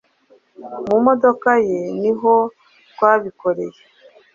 mu modoka ye niho twabikoreye